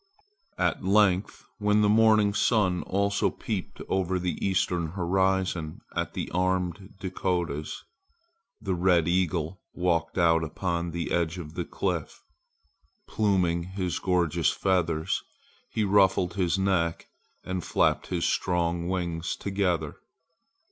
At length when the morning sun also peeped over the eastern horizon at the armed Dakotas, the red eagle walked out upon the edge of the cliff. Pluming his gorgeous feathers, he ruffled his neck and flapped his strong wings together.